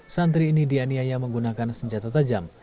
santri ini dianiaya menggunakan senjata tajam